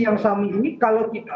yang sami ini kalau kita